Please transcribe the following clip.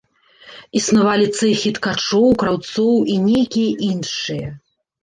Існавалі цэхі ткачоў, краўцоў і нейкія іншыя.